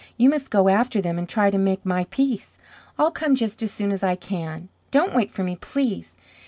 You must go after them and try to make my peace. I'll come just as soon as I can. Don't wait for me, please.